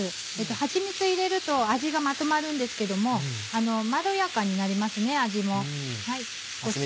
はちみつ入れると味がまとまるんですけどもまろやかになります味も。